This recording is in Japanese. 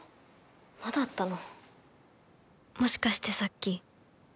まだあったの？